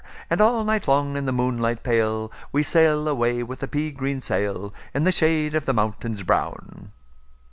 And all night long, in the moonlight pale, We sail away with a pea green sailIn the shade of the mountains brown."